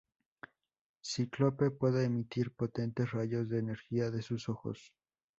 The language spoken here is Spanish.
Cíclope puede emitir potentes rayos de energía de sus ojos.